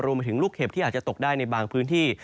รวมไปถึงลูกเห็บที่อาจจะตกได้ในบางพื้นที่